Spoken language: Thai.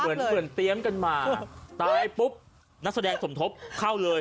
เหมือนเหมือนเตรียมกันมาตายปุ๊บนักแสดงสมทบเข้าเลย